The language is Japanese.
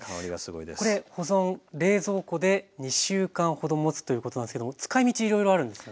これ保存冷蔵庫で２週間ほどもつということなんですけども使いみちいろいろあるんですよね？